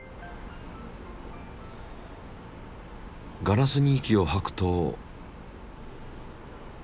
ガラスに息をはくと。